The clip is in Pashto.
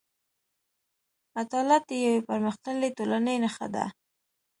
عدالت د یوې پرمختللې ټولنې نښه ده.